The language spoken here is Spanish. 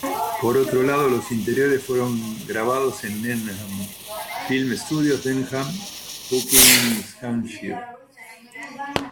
Por otro lado, los interiores fueron grabados en Denham Film Studios, Denham, Buckinghamshire.